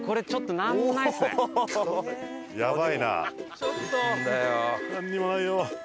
なんにもないよ。